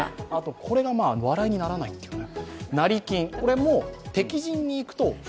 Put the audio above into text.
これが笑いにならないというね。